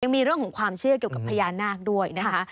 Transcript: มีเรื่องของความเชื่อเกี่ยวกับพญานาคด้วยนะคะ